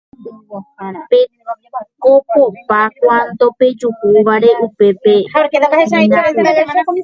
pekopopa cuanto pejuhúvare upépepeínakuri